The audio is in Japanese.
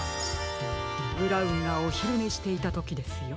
ブラウンがおひるねしていたときですよ。